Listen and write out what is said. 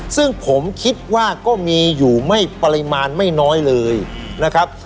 ซึ่งผมคิดว่าก็มีอยู่ไม่ปริมาณไม่น้อยเลยนะครับ